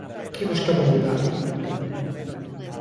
Que buscaba mudar?